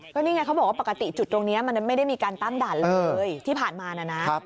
ก็นี่ไงเขาบอกว่าปกติจุดตรงนี้มันไม่ได้มีการตั้งด่านเลยที่ผ่านมานะนะ